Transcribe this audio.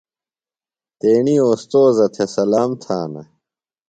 تیݨی اوستوذہ تھےۡ سلام تھانہ۔